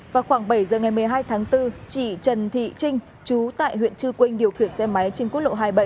vào khoảng bảy giờ ngày một mươi hai tháng bốn chị trần thị trinh trú tại huyện chư quynh điều khiển xe máy trên quốc lộ hai mươi bảy